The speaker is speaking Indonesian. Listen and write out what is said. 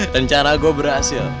rencana gue berhasil